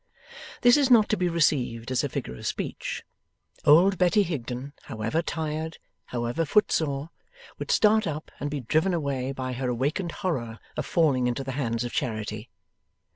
This is not to be received as a figure of speech. Old Betty Higden however tired, however footsore, would start up and be driven away by her awakened horror of falling into the hands of Charity.